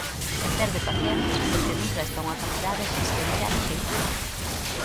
E perde pacientes porque non presta unha calidade asistencial axeitada.